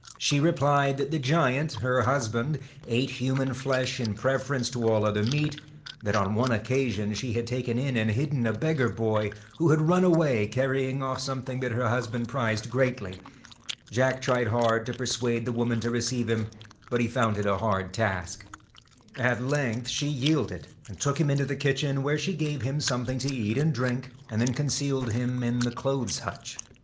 he replied that the giant, her husband, ate human flesh in preference to all other meat ; that on one occasion she had taken in and hidden a beggar boy, who had run away carrying off something that her husband prized greatly. Jack tried hard to persuade the woman to receive him, but he found it a hard task. At length she yielded, and took him into the kitchen, where she gave him something to eat and drink, and then concealed him in the clothes hutch.